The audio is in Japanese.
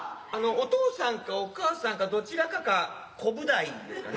お父さんかお母さんかどちらかがコブダイですかね？